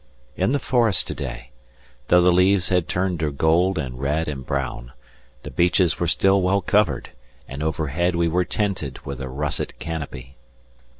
In the forest to day, though the leaves had turned to gold and red and brown, the beeches were still well covered, and overhead we were tented with a russet canopy.